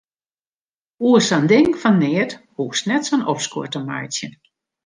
Oer sa'n ding fan neat hoechst net sa'n opskuor te meitsjen.